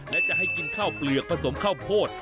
และจะให้กินข้าวเปลือกผสมข้าวโพด